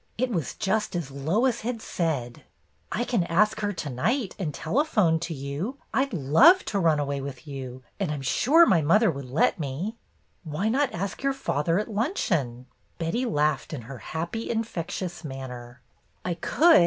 It was just as Lois had said ! "I can ask her to night, and telephone to you. I M love to run away with you, and I 'm sure my mother would let me.'' ''Why not ask your father at luncheon?" Betty laughed in her happy, infectious manner. "I could.